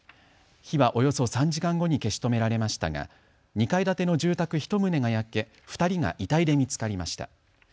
火はおよそ３時間後に消し止められましたが２階建ての住宅１棟が焼け、２人が遺体で見つかりました。